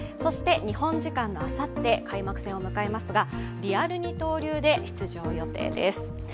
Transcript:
日本時間のあさって開幕戦を迎えますがリアル二刀流ということです。